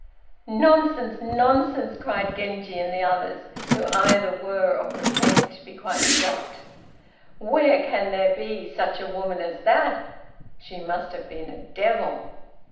"Nonsense, nonsense!" cried Genji and the others, who either were, or pretended to be, quite shocked. "Where can there be such a woman as that? She must have been a devil!